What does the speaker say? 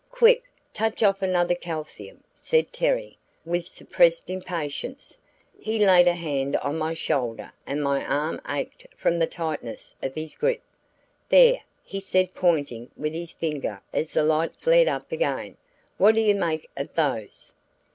"Quick, touch off another calcium!" said Terry, with suppressed impatience. He laid a hand on my shoulder and my arm ached from the tightness of his grip. "There," he said pointing with his finger as the light flared up again. "What do you make of those?"